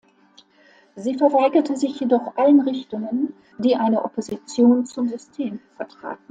Sie verweigerte sich jedoch allen Richtungen, die eine Opposition zum System vertraten“.